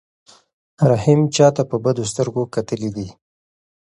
رحیم چاته په بدو سترګو کتلي دي؟